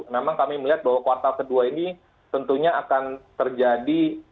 memang kami melihat bahwa kuartal kedua ini tentunya akan terjadi